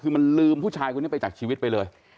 คือมันลืมผู้ชายคนนี้ไปจากชีวิตไปเลย